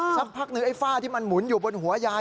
สักพักหนึ่งไอ้ฝ้าที่มันหมุนอยู่บนหัวยาย